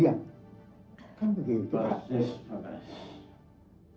kan begitu pak